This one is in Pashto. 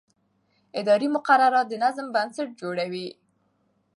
اداري مقررات د نظم بنسټ جوړوي.